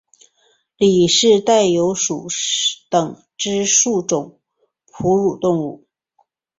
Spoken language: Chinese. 里氏袋鼬属等之数种哺乳动物。